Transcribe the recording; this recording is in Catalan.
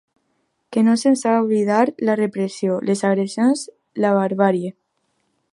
Que no s’ens ha d’oblidar la repressió, les agressions, la barbàrie.